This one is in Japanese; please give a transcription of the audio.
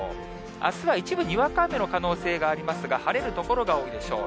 あすは一部にわか雨の可能性がありますが、晴れる所が多いでしょう。